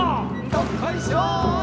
どっこいしょー